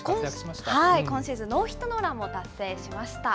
今シーズン、ノーヒットノーランも達成しました。